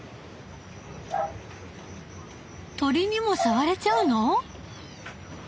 鳥にもさわれちゃうの⁉